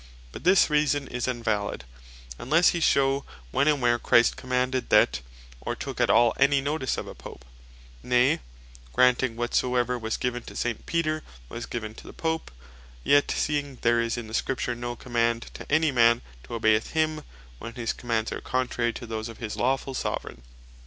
But this Reason is invalid, unlesse he shew when, and where Christ commanded that, or took at all any notice of a Pope: Nay granting whatsoever was given to S. Peter was given to the Pope; yet seeing there is in the Scripture no command to any man to obey St. Peter, no man can bee just, that obeyeth him, when his commands are contrary to those of his lawfull Soveraign.